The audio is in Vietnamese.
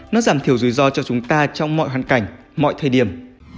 nó giảm thiểu rủi ro cho chúng ta trong mọi hoàn cảnh mọi thời điểm